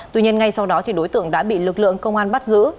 tuy nhiên ngay sau đó đối tượng đã bị lực lượng công an bắt giữ